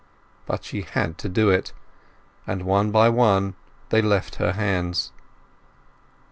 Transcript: But she had to do it, and one by one they left her hands.